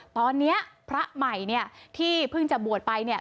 ตอนนี้พระใหม่เนี่ยที่เพิ่งจะบวชไปเนี่ย